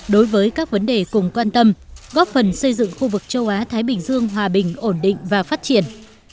đối với các vấn đề cùng quan tâm góp phần xây dựng khu vực châu á thái bình dương hòa bình ổn định và phát triển